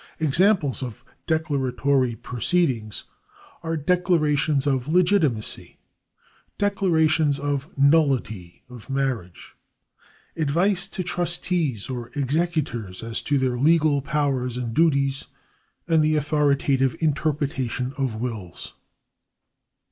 Examples of declaratory proceedings are declarations of legitimacy, declarations of nullity of marriage, advice to trustees or executors as to their legal powers and duties, and the authoritative interpretation of wills.